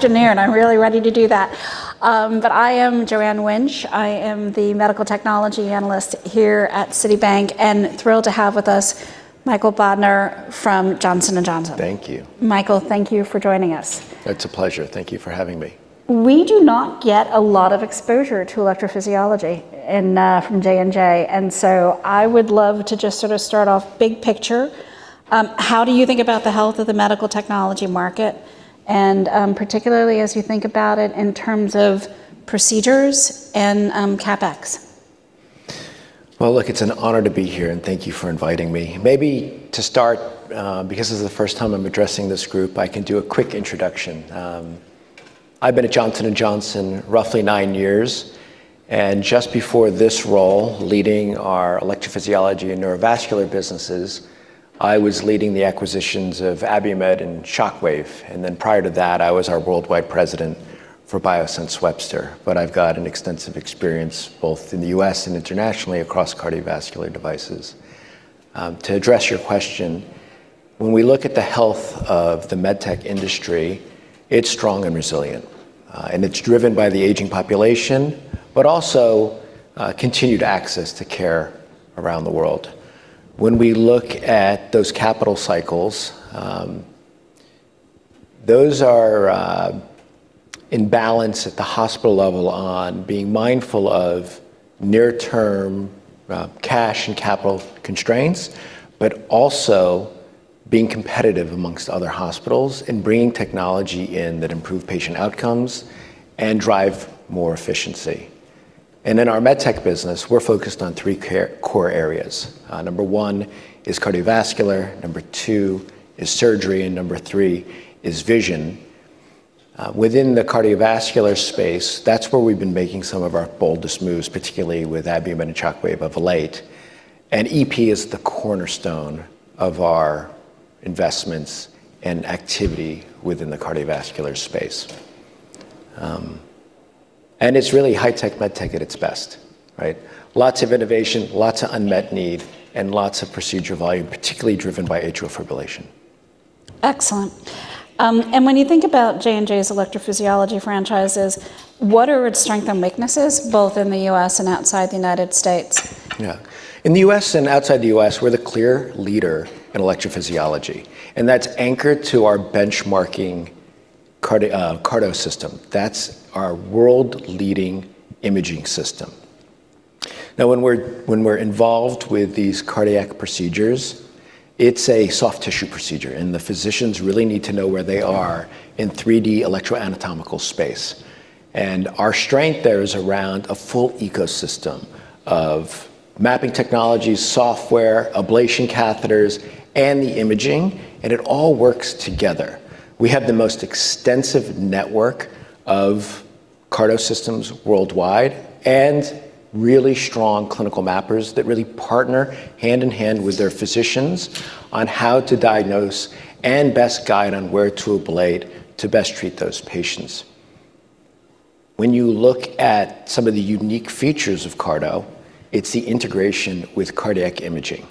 Dineer, and I'm really ready to do that, but I am Joanne Wuensch. I am the medical technology analyst here at Citigroup, and thrilled to have with us Michael Bodner from Johnson & Johnson. Thank you. Michael, thank you for joining us. It's a pleasure. Thank you for having me. We do not get a lot of exposure to electrophysiology from J&J, and so I would love to just sort of start off big picture. How do you think about the health of the medical technology market, and particularly as you think about it in terms of procedures and CapEx? Look, it's an honor to be here, and thank you for inviting me. Maybe to start, because this is the first time I'm addressing this group, I can do a quick introduction. I've been at Johnson & Johnson roughly nine years, and just before this role leading our Electrophysiology and Neurovascular businesses, I was leading the acquisitions of Abiomed and Shockwave. Then prior to that, I was our worldwide president for Biosense Webster. I've got an extensive experience both in the U.S. and internationally across cardiovascular devices. To address your question, when we look at the health of the medtech industry, it's strong and resilient, and it's driven by the aging population, but also continued access to care around the world. When we look at those capital cycles, those are in balance at the hospital level on being mindful of near-term cash and capital constraints, but also being competitive among other hospitals and bringing technology in that improves patient outcomes and drives more efficiency. And in our medtech business, we're focused on three core areas. Number one is cardiovascular. Number two is surgery. And number three is vision. Within the cardiovascular space, that's where we've been making some of our boldest moves, particularly with Abiomed and Shockwave of late. And EP is the cornerstone of our investments and activity within the cardiovascular space. And it's really high-tech medtech at its best, right? Lots of innovation, lots of unmet need, and lots of procedure volume, particularly driven by atrial fibrillation. Excellent, and when you think about J&J's electrophysiology franchises, what are its strengths and weaknesses, both in the U.S. and outside the United States? Yeah. In the U.S. and outside the U.S., we're the clear leader in electrophysiology, and that's anchored to our benchmarking CARTO system. That's our world-leading imaging system. Now, when we're involved with these cardiac procedures, it's a soft tissue procedure, and the physicians really need to know where they are in 3D electroanatomical space, and our strength there is around a full ecosystem of mapping technologies, software, ablation catheters, and the imaging, and it all works together. We have the most extensive network of CARTO systems worldwide and really strong clinical mappers that really partner hand in hand with their physicians on how to diagnose and best guide on where to ablate to best treat those patients. When you look at some of the unique features of CARTO, it's the integration with cardiac imaging,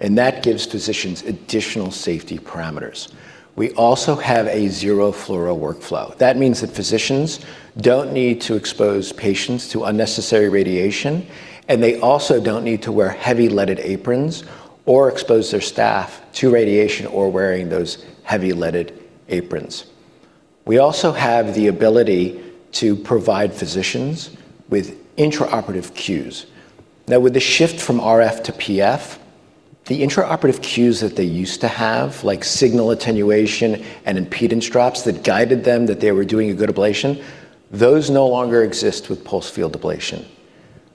and that gives physicians additional safety parameters. We also have a zero-fluoro workflow. That means that physicians don't need to expose patients to unnecessary radiation, and they also don't need to wear heavy-leaded aprons or expose their staff to radiation or wearing those heavy-leaded aprons. We also have the ability to provide physicians with intraoperative cues. Now, with the shift from RF to PF, the intraoperative cues that they used to have, like signal attenuation and impedance drops that guided them that they were doing a good ablation, those no longer exist with pulsed field ablation,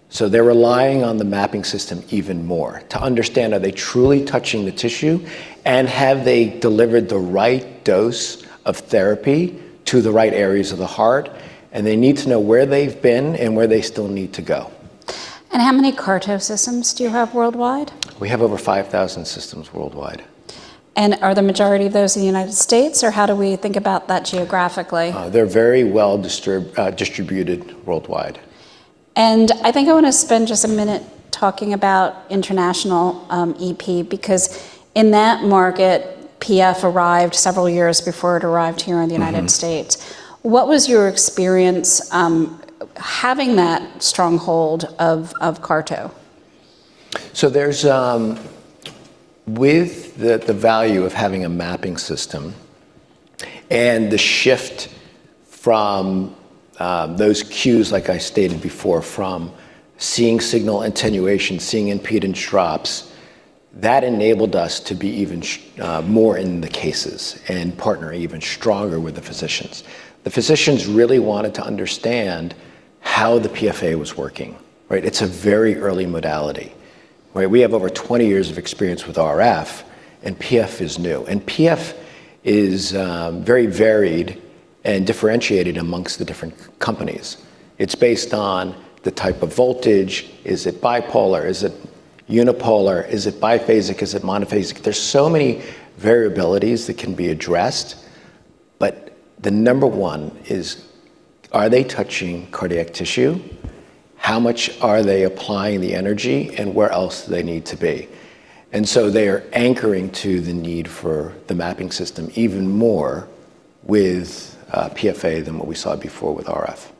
so they're relying on the mapping system even more to understand, are they truly touching the tissue, and have they delivered the right dose of therapy to the right areas of the heart, and they need to know where they've been and where they still need to go. How many CARTO systems do you have worldwide? We have over 5,000 systems worldwide. Are the majority of those in the United States, or how do we think about that geographically? They're very well distributed worldwide. I think I want to spend just a minute talking about international EP, because in that market, PF arrived several years before it arrived here in the United States. What was your experience having that stronghold of CARTO? So, the value of having a mapping system and the shift from those cues, like I stated before, from seeing signal attenuation, seeing impedance drops, that enabled us to be even more in the cases and partner even stronger with the physicians. The physicians really wanted to understand how the PFA was working, right? It's a very early modality, right? We have over 20 years of experience with RF, and PFA is new, and PFA is very varied and differentiated among the different companies. It's based on the type of voltage. Is it bipolar? Is it unipolar? Is it biphasic? Is it monophasic? There's so many variabilities that can be addressed, but the number one is, are they touching cardiac tissue? How much are they applying the energy, and where else do they need to be? They are anchoring to the need for the mapping system even more with PFA than what we saw before with RF.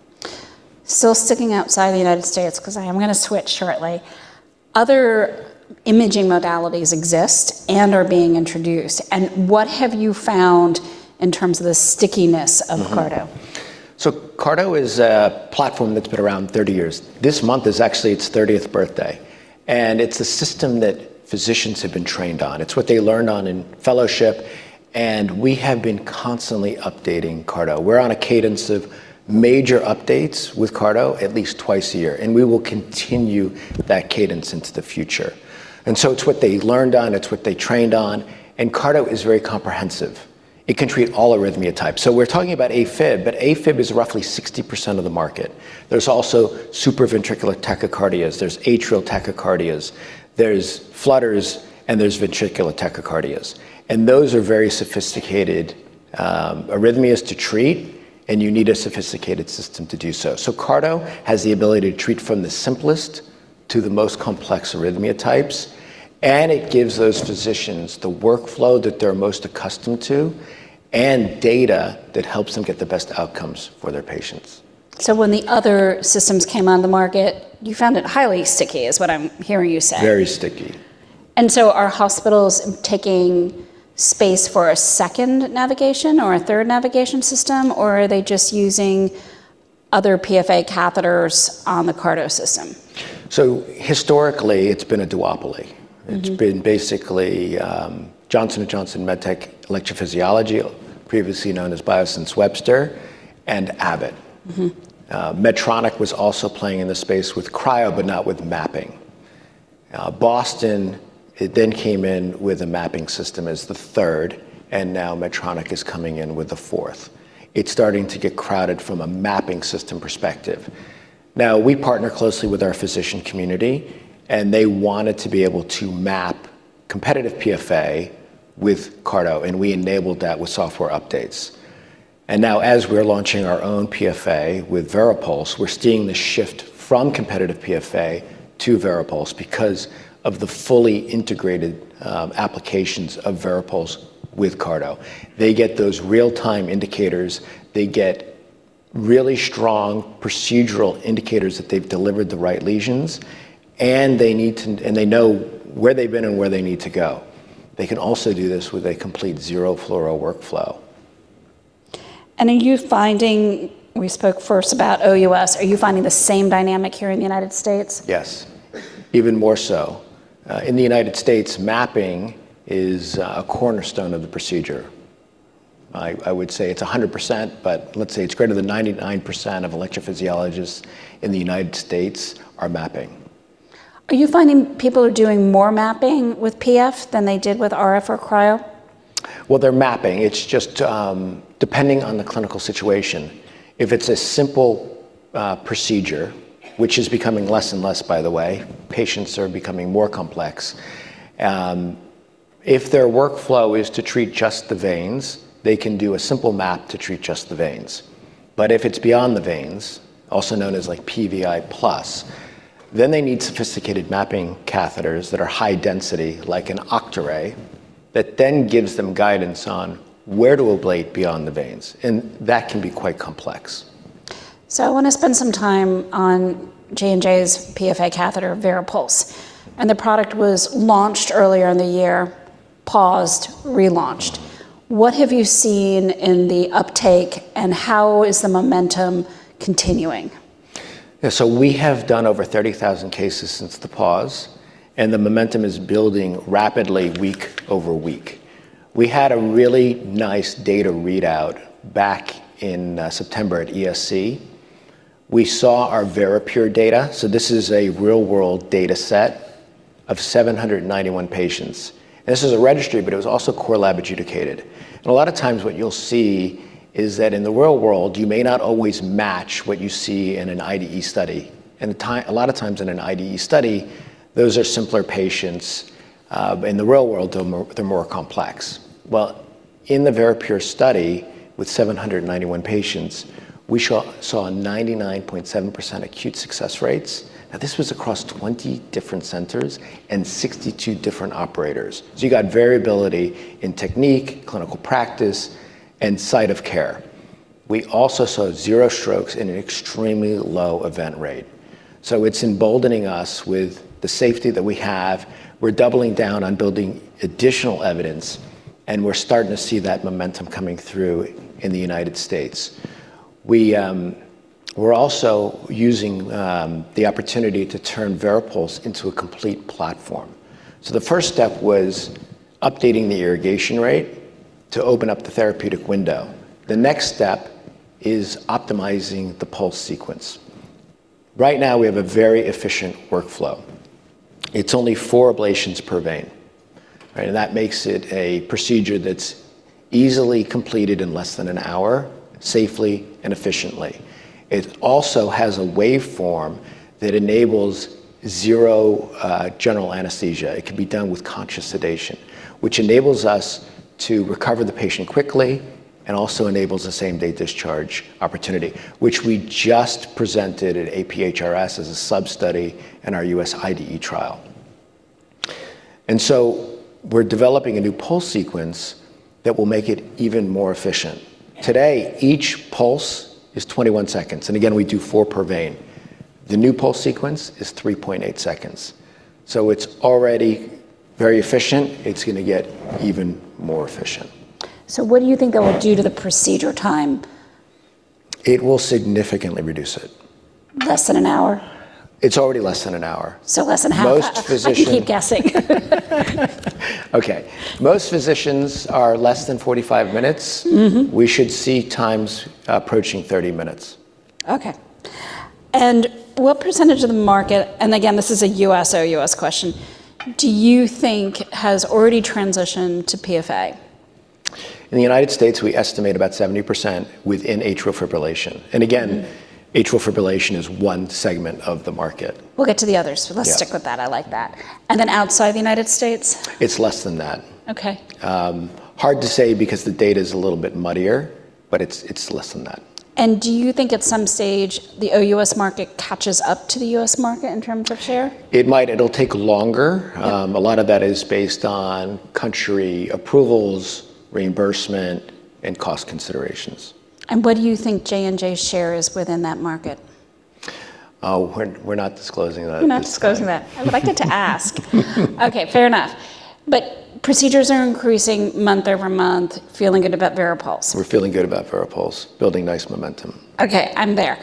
Still sticking outside the United States, because I'm going to switch shortly. Other imaging modalities exist and are being introduced. What have you found in terms of the stickiness of CARTO? CARTO is a platform that's been around 30 years. This month is actually its 30th birthday, and it's a system that physicians have been trained on. It's what they learned on in fellowship, and we have been constantly updating CARTO. We're on a cadence of major updates with CARTO at least twice a year, and we will continue that cadence into the future. And so it's what they learned on. It's what they trained on. And CARTO is very comprehensive. It can treat all arrhythmia types. So we're talking about AFib, but AFib is roughly 60% of the market. There's also supraventricular tachycardias. There's atrial tachycardias. There's flutters, and there's ventricular tachycardias. And those are very sophisticated arrhythmias to treat, and you need a sophisticated system to do so. CARTO has the ability to treat from the simplest to the most complex arrhythmia types, and it gives those physicians the workflow that they're most accustomed to and data that helps them get the best outcomes for their patients. So when the other systems came on the market, you found it highly sticky, is what I'm hearing you say. Very sticky. Are hospitals taking space for a second navigation or a third navigation system, or are they just using other PFA catheters on the CARTO system? Historically, it's been a duopoly. It's been basically Johnson & Johnson MedTech Electrophysiology, previously known as Biosense Webster, and Abbott. Medtronic was also playing in the space with cryo, but not with mapping. Boston, it then came in with a mapping system as the third, and now Medtronic is coming in with the fourth. It's starting to get crowded from a mapping system perspective. Now, we partner closely with our physician community, and they wanted to be able to map competitive PFA with CARTO, and we enabled that with software updates. And now, as we're launching our own PFA with Varipulse, we're seeing the shift from competitive PFA to Varipulse because of the fully integrated applications of Varipulse with CARTO. They get those real-time indicators. They get really strong procedural indicators that they've delivered the right lesions, and they know where they've been and where they need to go. They can also do this with a complete zero-fluoro workflow. Are you finding we spoke first about O.U.S.? Are you finding the same dynamic here in the United States? Yes, even more so. In the United States, mapping is a cornerstone of the procedure. I would say it's 100%, but let's say it's greater than 99% of electrophysiologists in the United States are mapping. Are you finding people are doing more mapping with PF than they did with RF or Cryo? They're mapping. It's just depending on the clinical situation. If it's a simple procedure, which is becoming less and less, by the way, patients are becoming more complex. If their workflow is to treat just the veins, they can do a simple map to treat just the veins. But if it's beyond the veins, also known as like PVI plus, then they need sophisticated mapping catheters that are high density, like an Octaray, that then gives them guidance on where to ablate beyond the veins. And that can be quite complex. I want to spend some time on J&J's PFA catheter, Varipulse. The product was launched earlier in the year, paused, relaunched. What have you seen in the uptake, and how is the momentum continuing? So we have done over 30,000 cases since the pause, and the momentum is building rapidly, week over week. We had a really nice data readout back in September at ESC. We saw our VARIPURE data. So this is a real-world data set of 791 patients. And this is a registry, but it was also core lab adjudicated. And a lot of times what you'll see is that in the real world, you may not always match what you see in an IDE study. And a lot of times in an IDE study, those are simpler patients. In the real world, they're more complex. Well, in the VARIPURE study with 791 patients, we saw 99.7% acute success rates. Now, this was across 20 different centers and 62 different operators. So you got variability in technique, clinical practice, and site of care. We also saw zero strokes and an extremely low event rate, so it's emboldening us with the safety that we have. We're doubling down on building additional evidence, and we're starting to see that momentum coming through in the United States. We're also using the opportunity to turn Varipulse into a complete platform, so the first step was updating the irrigation rate to open up the therapeutic window. The next step is optimizing the pulse sequence. Right now, we have a very efficient workflow. It's only four ablations per vein, and that makes it a procedure that's easily completed in less than an hour, safely and efficiently. It also has a waveform that enables zero general anesthesia. It can be done with conscious sedation, which enables us to recover the patient quickly and also enables the same-day discharge opportunity, which we just presented at APHRS as a sub-study in our U.S. IDE trial, and so we're developing a new pulse sequence that will make it even more efficient. Today, each pulse is 21 seconds, and again, we do four per vein. The new pulse sequence is 3.8 seconds, so it's already very efficient. It's going to get even more efficient. So what do you think it will do to the procedure time? It will significantly reduce it. Less than an hour? It's already less than an hour. So less than half an hour? Most physicians. I keep guessing. Okay. Most physicians are less than 45 minutes. We should see times approaching 30 minutes. Okay. And what percentage of the market, and again, this is a U.S./O.U.S. question, do you think has already transitioned to PFA? In the United States, we estimate about 70% within atrial fibrillation, and again, atrial fibrillation is one segment of the market. We'll get to the others, but let's stick with that. I like that. And then outside the United States? It's less than that. Okay. Hard to say because the data is a little bit muddier, but it's less than that. Do you think at some stage the O.U.S. market catches up to the U.S. market in terms of share? It might. It'll take longer. A lot of that is based on country approvals, reimbursement, and cost considerations. What do you think J&J's share is within that market? We're not disclosing that. We're not disclosing that. I would like to ask. Okay, fair enough. But procedures are increasing month over month. Feeling good about Varipulse? We're feeling good about Varipulse. Building nice momentum. Okay, I'm there.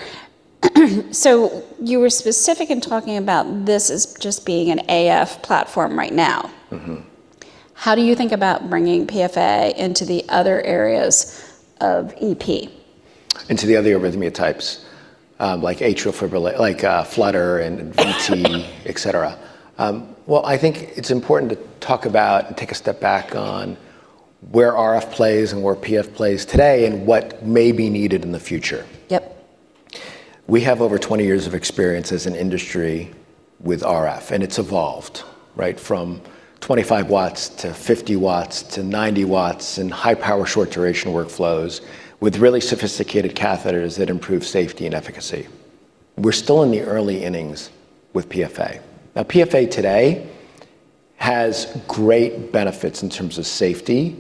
So you were specific in talking about this as just being an AF platform right now. How do you think about bringing PFA into the other areas of EP? Into the other arrhythmia types, like atrial fibrillation, like flutter and VT, etc. Well, I think it's important to talk about and take a step back on where RF plays and where PF plays today and what may be needed in the future. Yep. We have over 20 years of experience as an industry with RF, and it's evolved from 25 watts to 50 watts to 90 watts in high-power short-duration workflows with really sophisticated catheters that improve safety and efficacy. We're still in the early innings with PFA. Now, PFA today has great benefits in terms of safety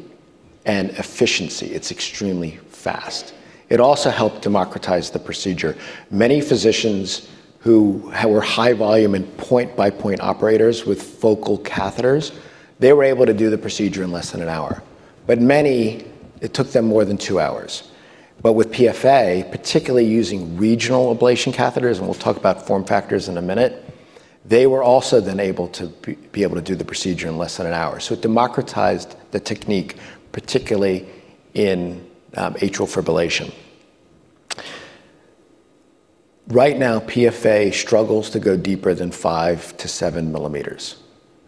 and efficiency. It's extremely fast. It also helped democratize the procedure. Many physicians who were high-volume and point-by-point operators with focal catheters, they were able to do the procedure in less than an hour. But many, it took them more than two hours. But with PFA, particularly using regional ablation catheters, and we'll talk about form factors in a minute, they were also then able to be able to do the procedure in less than an hour. So it democratized the technique, particularly in atrial fibrillation. Right now, PFA struggles to go deeper than five to seven millimeters,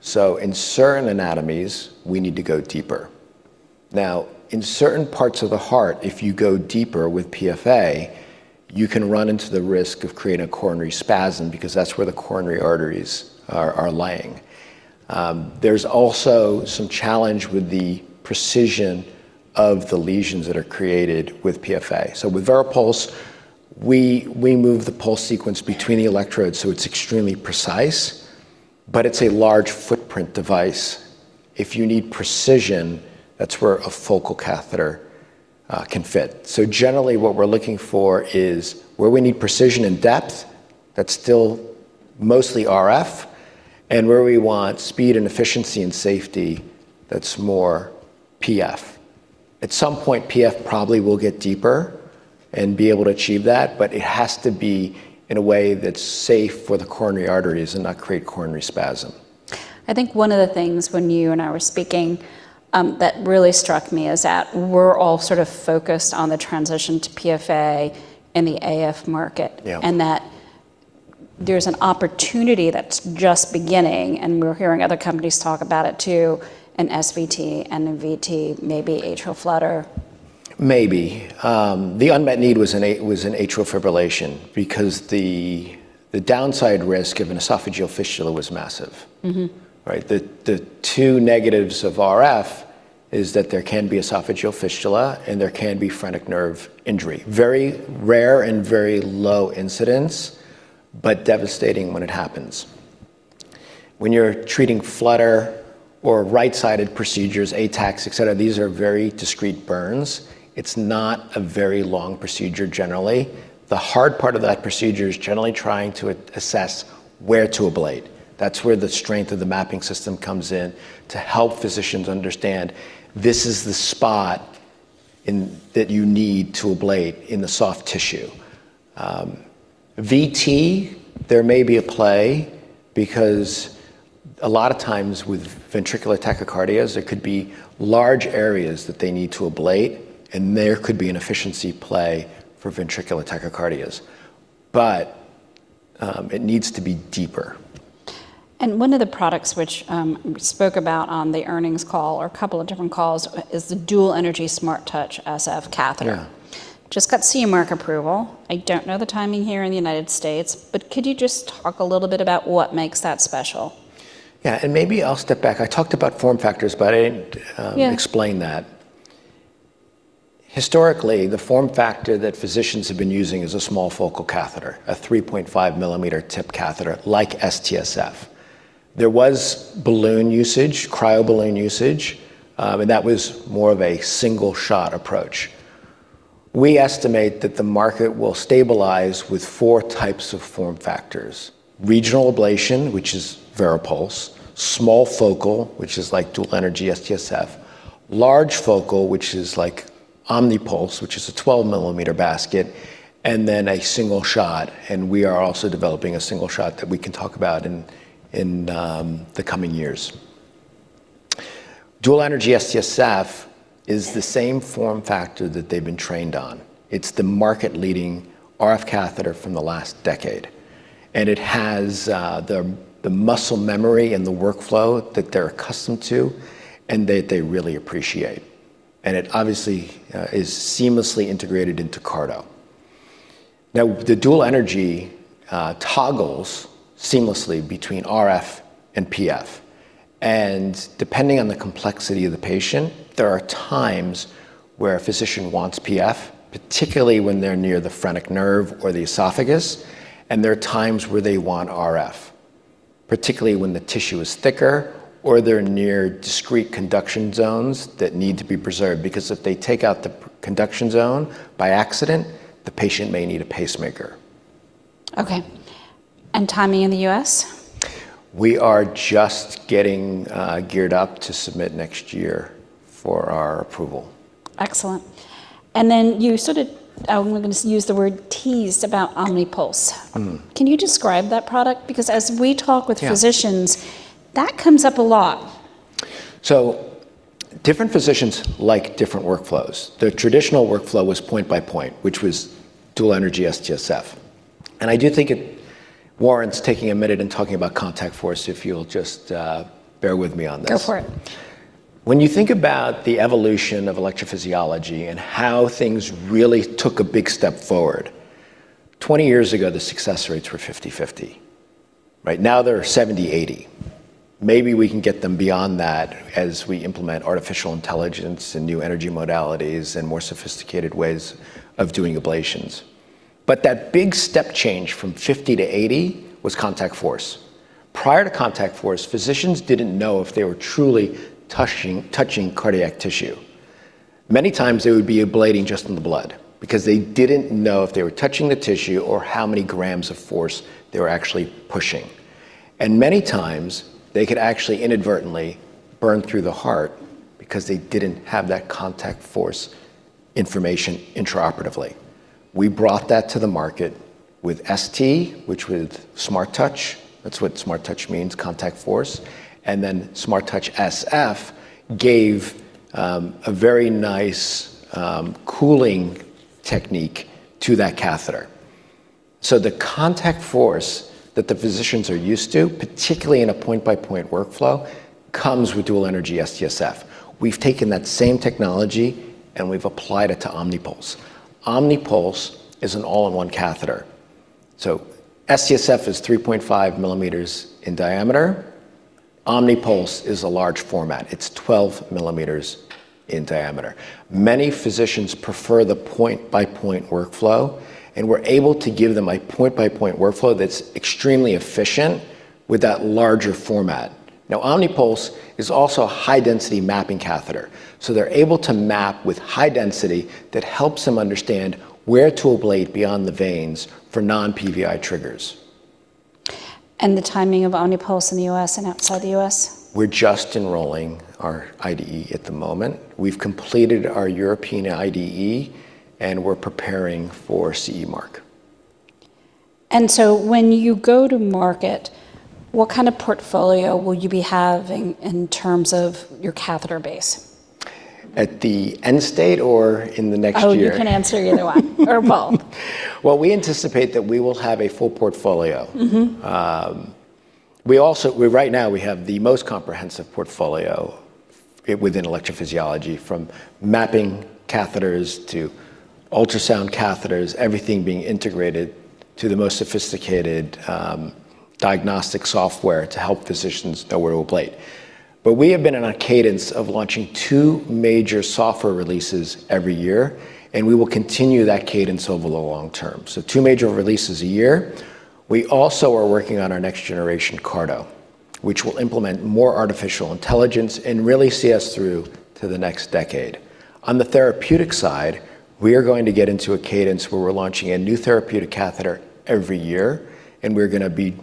so in certain anatomies, we need to go deeper. Now, in certain parts of the heart, if you go deeper with PFA, you can run into the risk of creating a coronary spasm because that's where the coronary arteries are laying. There's also some challenge with the precision of the lesions that are created with PFA, so with Varipulse, we move the pulse sequence between the electrodes, so it's extremely precise, but it's a large footprint device. If you need precision, that's where a focal catheter can fit, so generally, what we're looking for is where we need precision and depth, that's still mostly RF, and where we want speed and efficiency and safety, that's more PF. At some point, PF probably will get deeper and be able to achieve that, but it has to be in a way that's safe for the coronary arteries and not create coronary spasm. I think one of the things when you and I were speaking that really struck me is that we're all sort of focused on the transition to PFA in the AF market and that there's an opportunity that's just beginning, and we're hearing other companies talk about it too, and SVT and VT, maybe atrial flutter. Maybe. The unmet need was in atrial fibrillation because the downside risk of an esophageal fistula was massive. The two negatives of RF is that there can be esophageal fistula and there can be phrenic nerve injury. Very rare and very low incidence, but devastating when it happens. When you're treating flutter or right-sided procedures, ATs, etc., these are very discrete burns. It's not a very long procedure generally. The hard part of that procedure is generally trying to assess where to ablate. That's where the strength of the mapping system comes in to help physicians understand this is the spot that you need to ablate in the soft tissue. VT, there may be a play because a lot of times with ventricular tachycardias, there could be large areas that they need to ablate, and there could be an efficiency play for ventricular tachycardias. But it needs to be deeper. And one of the products which we spoke about on the earnings call or a couple of different calls is the Dual Energy SMARTTOUCH SF Catheter. Just got CMRC approval. I don't know the timing here in the United States, but could you just talk a little bit about what makes that special? Yeah, and maybe I'll step back. I talked about form factors, but I didn't explain that. Historically, the form factor that physicians have been using is a small focal catheter, a 3.5-millimeter tip catheter like SMARTTOUCH SF. There was balloon usage, cryo balloon usage, and that was more of a single-shot approach. We estimate that the market will stabilize with four types of form factors: regional ablation, which is Varipulse; small focal, which is like Dual Energy SMARTTOUCH SF; large focal, which is like Omnipulse, which is a 12-millimeter basket; and then a single shot. And we are also developing a single shot that we can talk about in the coming years. Dual Energy SMARTTOUCH SF is the same form factor that they've been trained on. It's the market-leading RF catheter from the last decade. It has the muscle memory and the workflow that they're accustomed to and that they really appreciate. It obviously is seamlessly integrated into CARTO. Now, the Dual Energy toggles seamlessly between RF and PF. Depending on the complexity of the patient, there are times where a physician wants PF, particularly when they're near the phrenic nerve or the esophagus, and there are times where they want RF, particularly when the tissue is thicker or they're near discrete conduction zones that need to be preserved because if they take out the conduction zone by accident, the patient may need a pacemaker. Okay. And timing in the U.S.? We are just getting geared up to submit next year for our approval. Excellent. And then you sort of, I'm going to use the word teased about Omnipulse. Can you describe that product? Because as we talk with physicians, that comes up a lot. So different physicians like different workflows. The traditional workflow was point by point, which was Dual Energy SMARTTOUCH SF. And I do think it warrants taking a minute and talking about contact force if you'll just bear with me on this. Go for it. When you think about the evolution of electrophysiology and how things really took a big step forward, 20 years ago, the success rates were 50%-50%. Now they're 70%-80%. Maybe we can get them beyond that as we implement artificial intelligence and new energy modalities and more sophisticated ways of doing ablations. But that big step change from 50% to 80% was contact force. Prior to contact force, physicians didn't know if they were truly touching cardiac tissue. Many times they would be ablating just in the blood because they didn't know if they were touching the tissue or how many grams of force they were actually pushing. And many times they could actually inadvertently burn through the heart because they didn't have that contact force information intraoperatively. We brought that to the market with ST, which was SMARTTOUCH. That's what SMARTTOUCH means, contact force. SmartTouch SF gave a very nice cooling technique to that catheter. So the contact force that the physicians are used to, particularly in a point-by-point workflow, comes with Dual Energy STSF. We've taken that same technology and we've applied it to Omnipulse. Omnipulse is an all-in-one catheter. So STSF is 3.5 millimeters in diameter. Omnipulse is a large format. It's 12 millimeters in diameter. Many physicians prefer the point-by-point workflow, and we're able to give them a point-by-point workflow that's extremely efficient with that larger format. Now, Omnipulse is also a high-density mapping catheter. So they're able to map with high density that helps them understand where to ablate beyond the veins for non-PVI triggers. The timing of Omnipulse in the U.S. and outside the U.S.? We're just enrolling our IDE at the moment. We've completed our European IDE and we're preparing for CE Mark. And so when you go to market, what kind of portfolio will you be having in terms of your catheter base? At the end state or in the next year? You can answer either one or both. We anticipate that we will have a full portfolio. Right now, we have the most comprehensive portfolio within electrophysiology from mapping catheters to ultrasound catheters, everything being integrated to the most sophisticated diagnostic software to help physicians know where to ablate, but we have been in a cadence of launching two major software releases every year, and we will continue that cadence over the long term, so two major releases a year. We also are working on our next generation CARTO, which will implement more artificial intelligence and really see us through to the next decade. On the therapeutic side, we are going to get into a cadence where we're launching a new therapeutic catheter every year, and we're going to be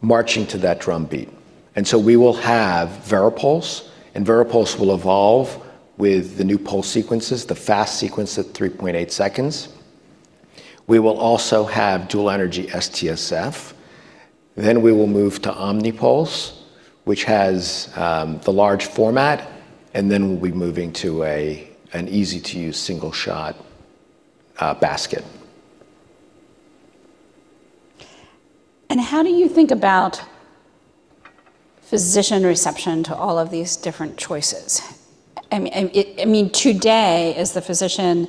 marching to that drumbeat, and so we will have Varipulse, and Varipulse will evolve with the new pulse sequences, the FAST sequence at 3.8 seconds. We will also have Dual Energy SmartTouch SF. Then we will move to Omnipulse, which has the large format, and then we'll be moving to an easy-to-use single-shot basket. How do you think about physician reception to all of these different choices? I mean, today, is the physician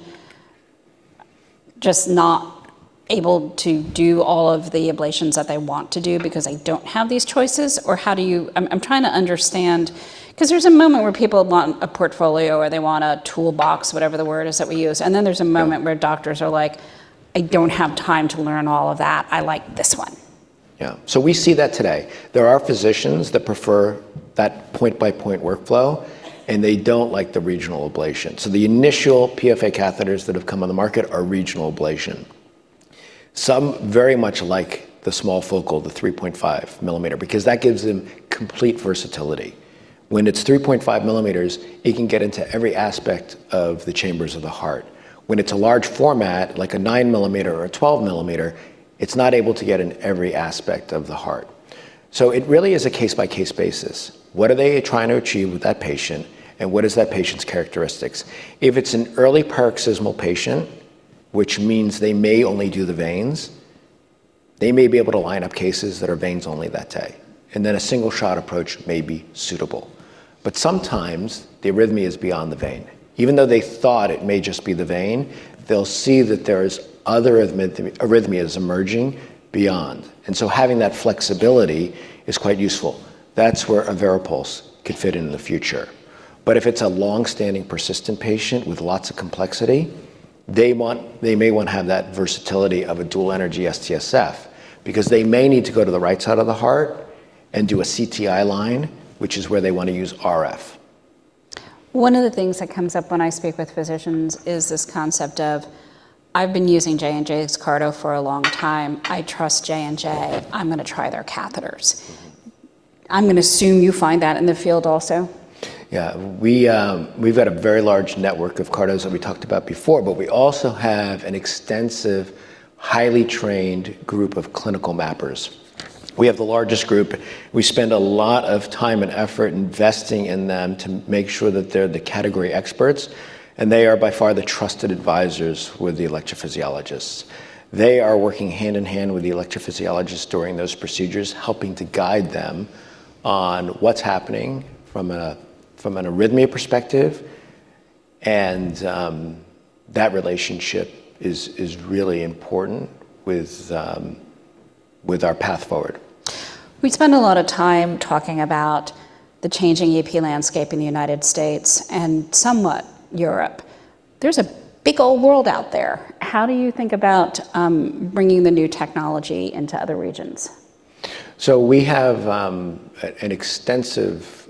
just not able to do all of the ablations that they want to do because they don't have these choices? Or how do you? I'm trying to understand because there's a moment where people want a portfolio or they want a toolbox, whatever the word is that we use. And then there's a moment where doctors are like, "I don't have time to learn all of that. I like this one. Yeah, so we see that today. There are physicians that prefer that point-by-point workflow, and they don't like the regional ablation, so the initial PFA catheters that have come on the market are regional ablation. Some very much like the small focal, the 3.5 millimeter, because that gives them complete versatility. When it's 3.5 millimeters, it can get into every aspect of the chambers of the heart. When it's a large format, like a 9 millimeter or a 12 millimeter, it's not able to get in every aspect of the heart. So it really is a case-by-case basis. What are they trying to achieve with that patient, and what are that patient's characteristics? If it's an early paroxysmal patient, which means they may only do the veins, they may be able to line up cases that are veins only that day, and then a single-shot approach may be suitable. But sometimes the arrhythmia is beyond the vein. Even though they thought it may just be the vein, they'll see that there are other arrhythmias emerging beyond. And so having that flexibility is quite useful. That's where a Varipulse could fit in the future. But if it's a long-standing persistent patient with lots of complexity, they may want to have that versatility of a Dual Energy STSF because they may need to go to the right side of the heart and do a CTI line, which is where they want to use RF. One of the things that comes up when I speak with physicians is this concept of, "I've been using J&J's CARTO for a long time. I trust J&J. I'm going to try their catheters." I'm going to assume you find that in the field also. Yeah. We've got a very large network of CARTOs that we talked about before, but we also have an extensive, highly trained group of clinical mappers. We have the largest group. We spend a lot of time and effort investing in them to make sure that they're the category experts, and they are by far the trusted advisors with the electrophysiologists. They are working hand in hand with the electrophysiologists during those procedures, helping to guide them on what's happening from an arrhythmia perspective, and that relationship is really important with our path forward. We spend a lot of time talking about the changing EP landscape in the United States and somewhat Europe. There's a big old world out there. How do you think about bringing the new technology into other regions? So we have an extensive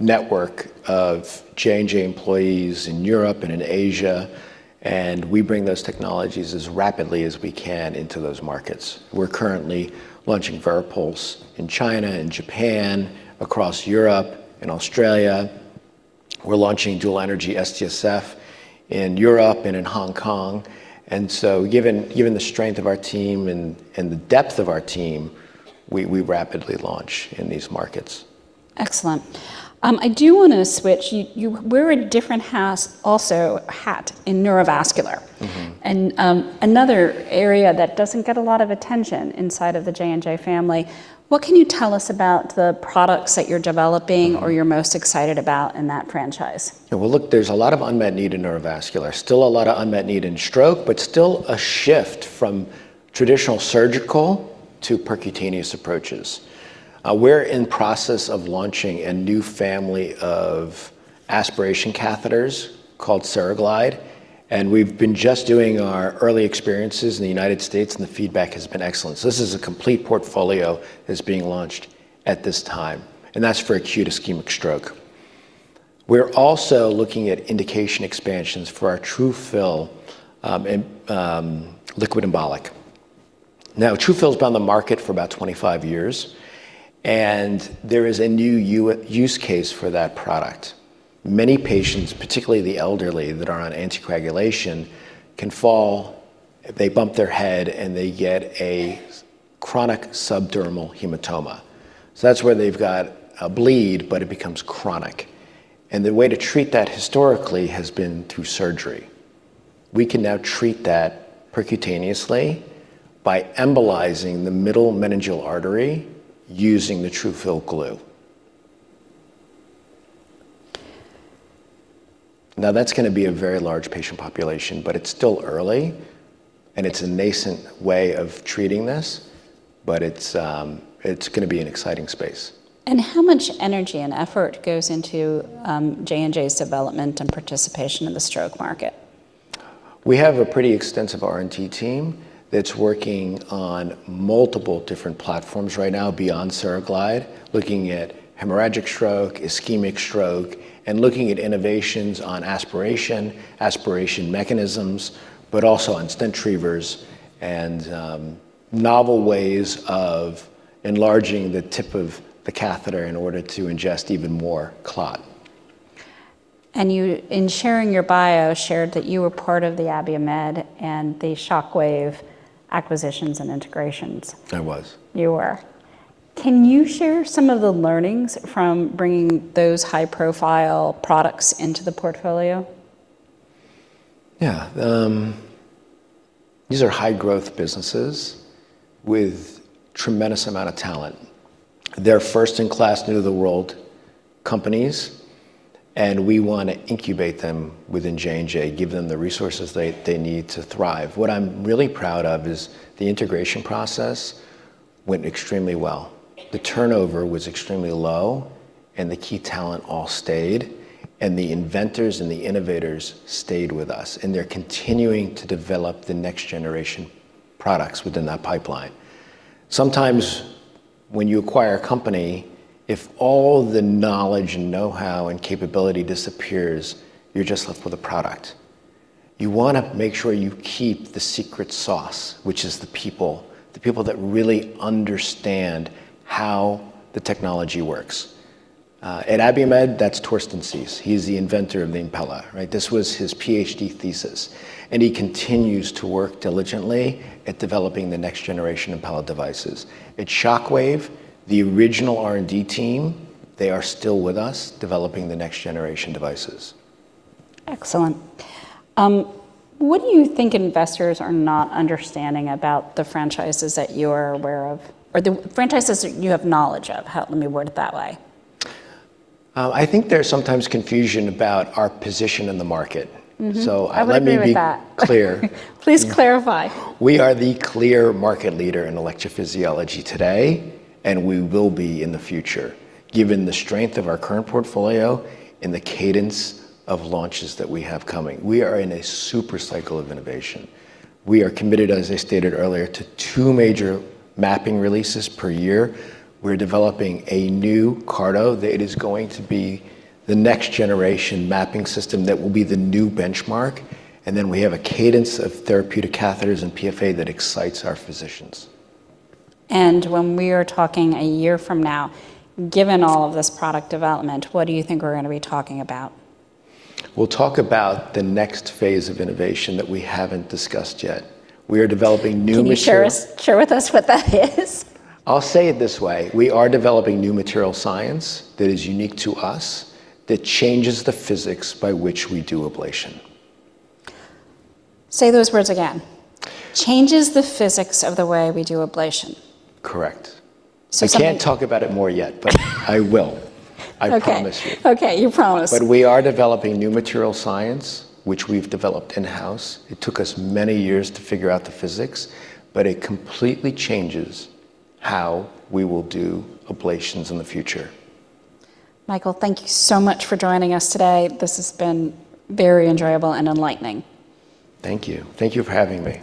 network of J&J employees in Europe and in Asia, and we bring those technologies as rapidly as we can into those markets. We're currently launching Varipulse in China, in Japan, across Europe, in Australia. We're launching Dual Energy STSF in Europe and in Hong Kong. And so given the strength of our team and the depth of our team, we rapidly launch in these markets. Excellent. I do want to switch. We're wearing a different hat also in neurovascular. And another area that doesn't get a lot of attention inside of the J&J family, what can you tell us about the products that you're developing or you're most excited about in that franchise? Look, there's a lot of unmet need in neurovascular. Still a lot of unmet need in stroke, but still a shift from traditional surgical to percutaneous approaches. We're in the process of launching a new family of aspiration catheters called Cereglide. And we've been just doing our early experiences in the United States, and the feedback has been excellent. So this is a complete portfolio that's being launched at this time. And that's for acute ischemic stroke. We're also looking at indication expansions for our TRUFILL liquid embolic. Now, TRUFILL has been on the market for about 25 years, and there is a new use case for that product. Many patients, particularly the elderly that are on anticoagulation, can fall. They bump their head and they get a chronic subdural hematoma. So that's where they've got a bleed, but it becomes chronic. The way to treat that historically has been through surgery. We can now treat that percutaneously by embolizing the middle meningeal artery using the TRUFILL glue. Now, that's going to be a very large patient population, but it's still early and it's a nascent way of treating this, but it's going to be an exciting space. How much energy and effort goes into J&J's development and participation in the stroke market? We have a pretty extensive R&D team that's working on multiple different platforms right now beyond CEREGLIDE, looking at hemorrhagic stroke, ischemic stroke, and looking at innovations on aspiration, aspiration mechanisms, but also on stent retrievers and novel ways of enlarging the tip of the catheter in order to ingest even more clot. And in sharing your bio, you shared that you were part of the Abiomed and the Shockwave acquisitions and integrations. I was. You were. Can you share some of the learnings from bringing those high-profile products into the portfolio? Yeah. These are high-growth businesses with a tremendous amount of talent. They're first-in-class, new-to-the-world companies, and we want to incubate them within J&J, give them the resources they need to thrive. What I'm really proud of is the integration process went extremely well. The turnover was extremely low and the key talent all stayed, and the inventors and the innovators stayed with us, and they're continuing to develop the next-generation products within that pipeline. Sometimes when you acquire a company, if all the knowledge and know-how and capability disappears, you're just left with a product. You want to make sure you keep the secret sauce, which is the people, the people that really understand how the technology works. At Abiomed, that's Thorsten Siess. He's the inventor of the Impella. This was his PhD thesis, and he continues to work diligently at developing the next-generation Impella devices. At Shockwave, the original R&D team, they are still with us developing the next-generation devices. Excellent. What do you think investors are not understanding about the franchises that you are aware of? Or the franchises that you have knowledge of? Let me word it that way. I think there's sometimes confusion about our position in the market. So let me be clear. Please clarify. We are the clear market leader in electrophysiology today, and we will be in the future, given the strength of our current portfolio and the cadence of launches that we have coming. We are in a super cycle of innovation. We are committed, as I stated earlier, to two major mapping releases per year. We're developing a new CARTO that is going to be the next-generation mapping system that will be the new benchmark, and then we have a cadence of therapeutic catheters and PFA that excites our physicians. When we are talking a year from now, given all of this product development, what do you think we're going to be talking about? We'll talk about the next phase of innovation that we haven't discussed yet. We are developing new materials. Can you share with us what that is? I'll say it this way. We are developing new material science that is unique to us that changes the physics by which we do ablation. Say those words again. Changes the physics of the way we do ablation. Correct. You can't talk about it more yet, but I will. I promise you. Okay. You promise. But we are developing new materials science, which we've developed in-house. It took us many years to figure out the physics, but it completely changes how we will do ablations in the future. Michael, thank you so much for joining us today. This has been very enjoyable and enlightening. Thank you. Thank you for having me.